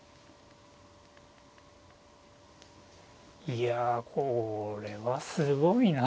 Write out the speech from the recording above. いやこれはすごいな。